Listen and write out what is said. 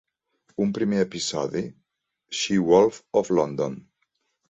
Un primer episodi: She Wolf of London.